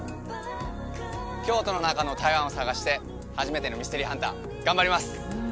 京都の中の台湾を探して初めてのミステリーハンター頑張ります！